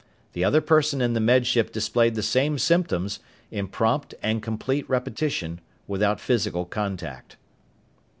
The other person in the Med Ship displayed the same symptoms, in prompt and complete repetition, without physical contact.